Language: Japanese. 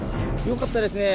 よかったですね。